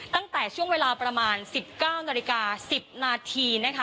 ตั้งแต่ช่วงเวลาประมาณ๑๙นาฬิกา๑๐นาทีนะคะ